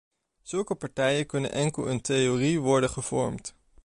Zulke partijen kunnen enkel in theorie worden gevormd.